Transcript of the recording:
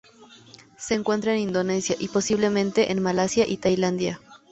Se encuentra en Indonesia, y posiblemente, en Malasia y en Tailandia.